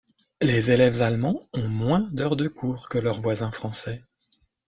Les élèves allemands ont moins d'heures de cours que leur voisins français.